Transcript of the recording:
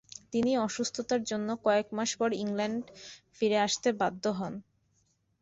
তিনি অসুস্থতার জন্য কয়েকমাস পর ইংল্যান্ড ফিরে আসতে বাধ্য হন।